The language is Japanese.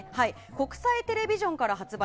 国際テレビジョンから発売。